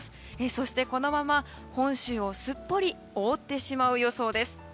そしてこのまま本州をすっぽり覆ってしまう予想です。